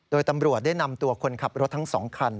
โดยตำรวจได้นำตัวคนขับรถทั้ง๒คัน